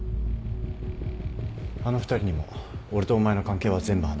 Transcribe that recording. あの２人にも俺とお前の関係は全部話した。